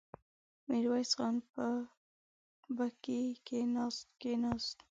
ميرويس خان په بګۍ کې کېناست.